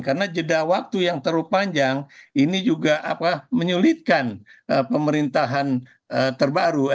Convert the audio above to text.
karena jeda waktu yang terlalu panjang ini juga menyulitkan pemerintahan terbaru